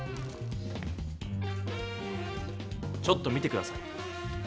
ちょっと見て下さい。